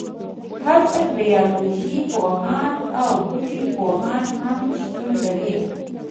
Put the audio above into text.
هلته بیالوژی پوهان او بوټي پوهان هم شتون لري